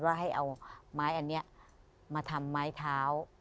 ว่าให้เอาไม้อันนี้มาทำไม้เท้า